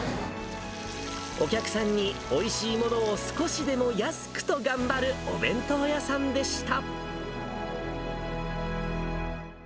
お客さんにおいしいものを少しでも安くと頑張るお弁当屋さんでした。